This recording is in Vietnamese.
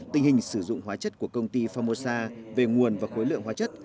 tình hình sử dụng hóa chất của công ty formosa về nguồn và khối lượng hóa chất